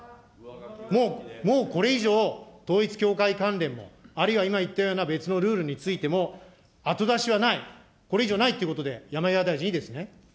もう、もうこれ以上、統一教会関連も、あるいは今言ったような別のルールについても、後出しはない、これ以上ないっていうことで、山際大臣、いいですね。